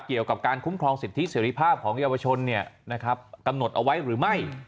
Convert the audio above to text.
เกี่ยวกับการคุ้มครองสิทธิเสรีภาพของเยาวชนกำหนดเอาไว้หรือไม่